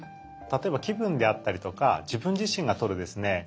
例えば気分であったりとか自分自身がとるですね